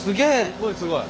すごいすごい。